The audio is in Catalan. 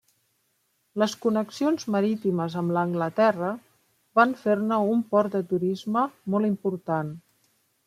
Les connexions marítimes amb l'Anglaterra van fer-ne un port de turisme molt important.